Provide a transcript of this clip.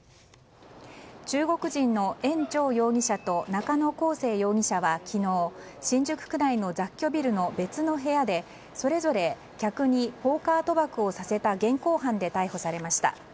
中国人のエン・チョウ容疑者と中野耕生容疑者は昨日新宿区内の雑居ビルの別の部屋で、それぞれ客にポーカー賭博をさせた現行犯で逮捕されました。